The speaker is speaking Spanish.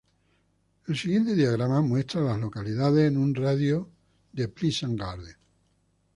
El siguiente diagrama muestra a las localidades en un radio de de Pleasant Garden.